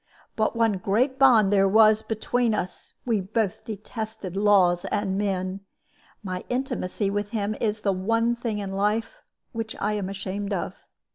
But one great bond there was between us we both detested laws and men. My intimacy with him is the one thing in life which I am ashamed of.